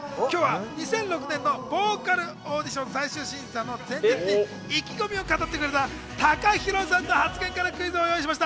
２００６年のボーカルオーディション最終審査の前日に意気込みを語ってくれたＴＡＫＡＨＩＲＯさんの発言からクイズを用意しました。